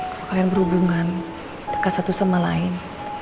kalau kalian berhubungan ke satu sama lain